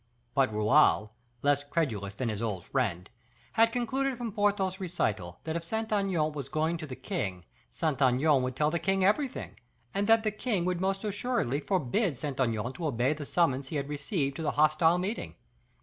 But Raoul, less credulous than his old friend, had concluded from Porthos's recital that if Saint Aignan was going to the king, Saint Aignan would tell the king everything, and that the king would most assuredly forbid Saint Aignan to obey the summons he had received to the hostile meeting.